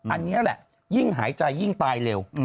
อันนี้แหละยิ่งหายใจยิ่งตายเร็ว